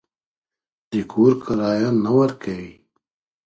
د کور کرایه نه ورکوئ.